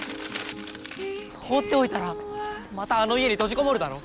放っておいたらまたあの家に閉じこもるだろ。